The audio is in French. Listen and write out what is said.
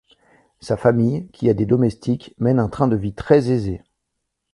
Sa famille, qui a des domestiques, mène un train de vie très aisé.